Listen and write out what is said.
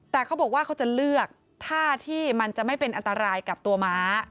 แต่เขาบอกว่าเขาจะเลือกท่าที่มันจะไม่เป็นอันตรายกับตัวม้า